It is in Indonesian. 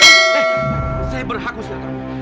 eh saya berhak usir kamu